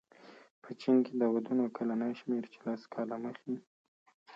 په چین کې د ودونو کلنی شمېر چې لس کاله مخې